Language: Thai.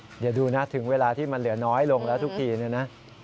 เดี๋ยวดูนะถึงเวลาที่มันเหลือน้อยลงแล้วทุกทีเนี่ยนะ